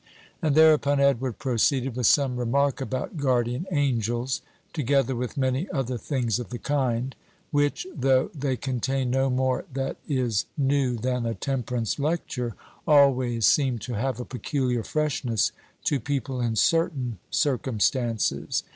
And thereupon Edward proceeded with some remark about "guardian angels," together with many other things of the kind, which, though they contain no more that is new than a temperance lecture, always seem to have a peculiar freshness to people in certain circumstances.